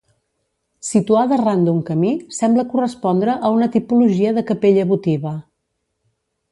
Situada ran d'un camí, sembla correspondre a una tipologia de capella votiva.